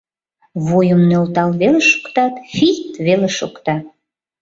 Вуйым нӧлтал веле шуктат, фийт веле шокта.